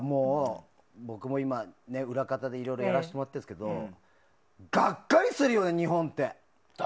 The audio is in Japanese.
僕も裏方でいろいろやらせてもらってるんですけどがっかりするよね、日本って。